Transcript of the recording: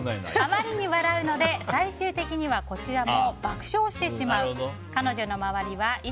あまりに笑うので最終的にはこちらも爆笑してしまう。